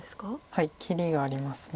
はい切りがあります。